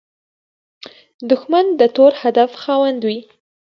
دښمن د تور هدف خاوند وي